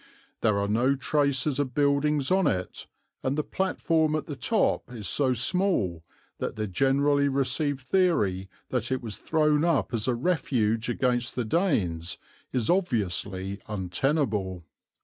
There are no traces of buildings on it, and the platform at the top is so small that the generally received theory that it was thrown up as a refuge against the Danes is obviously untenable.